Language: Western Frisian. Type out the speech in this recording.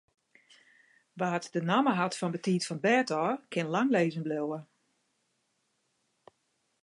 Wa't de namme hat fan betiid fan 't bêd ôf, kin lang lizzen bliuwe.